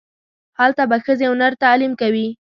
هلته به ښځې و نر تعلیم کوي.